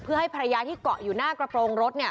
เพื่อให้ภรรยาที่เกาะอยู่หน้ากระโปรงรถ